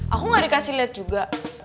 aku gak dikasih lihat juga